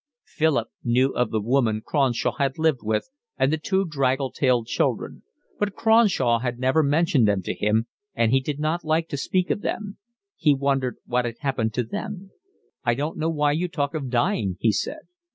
Philip knew of the woman Cronshaw had lived with and the two draggle tailed children, but Cronshaw had never mentioned them to him, and he did not like to speak of them. He wondered what had happened to them. "I don't know why you talk of dying," he said.